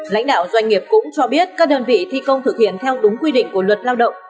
lãnh đạo doanh nghiệp cũng cho biết các đơn vị thi công thực hiện theo đúng quy định của luật lao động